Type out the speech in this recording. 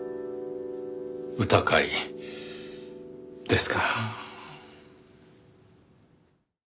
歌会ですか。